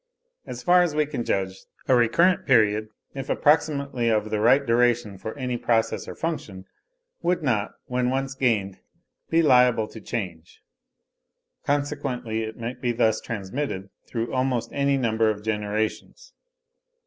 As far as we can judge, a recurrent period, if approximately of the right duration for any process or function, would not, when once gained, be liable to change; consequently it might be thus transmitted through almost any number of generations.